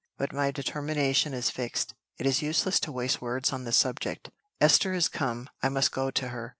But my determination is fixed; it is useless to waste words on the subject. Esther is come; I must go to her.